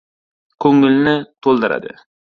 Ko‘ngilni to‘ldiradi.